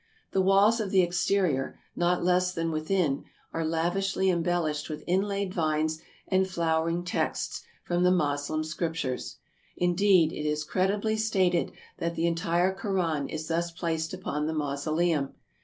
The walls of the exterior, not less than within, are lav ishly embellished with inlaid vines and flowering texts from the Moslem scriptures. Indeed, it is credibly stated that the entire Koran is thus placed upon the mausoleum.